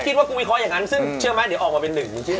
คือมันก็คิดว่ากูไฟเชองงั้นซึ่งเชื่อมั้ยเดี๋ยวออกมาเป็น๑